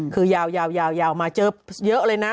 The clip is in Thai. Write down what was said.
คือยาวมาเจอเยอะเลยนะ